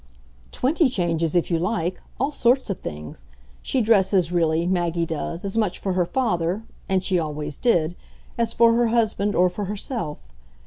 "Twenty changes, if you like all sorts of things. She dresses, really, Maggie does, as much for her father and she always did as for her husband or for herself.